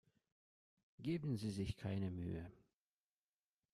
Geben Sie sich keine Mühe.